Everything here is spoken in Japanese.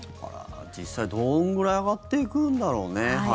実際、どのぐらい上がっていくんだろうね。